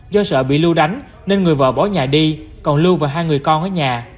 do sợ bị lưu đánh nên người vợ bỏ nhà đi còn lưu và hai người con ở nhà